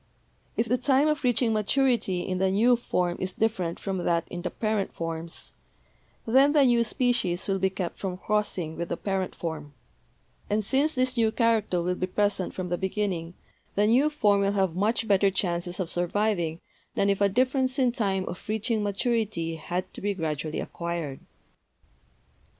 "If the time of reaching maturity in the new form is different from that in the parent forms, then the new species will be kept from crossing with the parent form, FACTORS OTHER THAN SELECTION 233 and since this new character will be present from the beginning, the new form will have much better chances of surviving than if a difference in time of reaching maturity had to be gradually acquired.